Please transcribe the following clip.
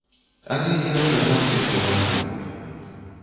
Але я адказаў ветлівай адмовай.